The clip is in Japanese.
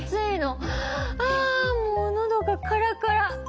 あもうのどがカラカラ。